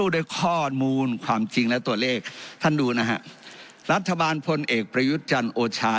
ด้วยข้อมูลความจริงและตัวเลขท่านดูนะฮะรัฐบาลพลเอกประยุทธ์จันทร์โอชา